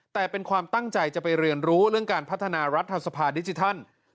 แต่เป็นความตั้งใจจะไปเรียนรู้เรื่องการพัฒนารัฐสภาดิจิทัล